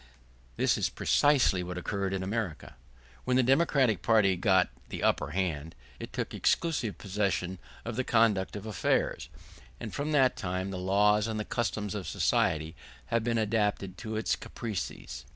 This is precisely what occurred in America; when the democratic party got the upper hand, it took exclusive possession of the conduct of affairs, and from that time the laws and the customs of society have been adapted to its caprices.